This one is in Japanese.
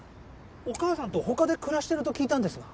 お母さんと他で暮らしてると聞いたんですが。